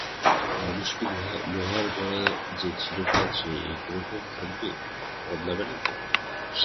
মানুষ কি লোহার গড়া যে চিরকাল সে একরকম থাকবে, বদলাবে না?